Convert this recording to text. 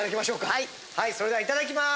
はいそれではいただきます！